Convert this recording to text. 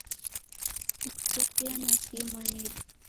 Nikutesie na kihi mwanidu?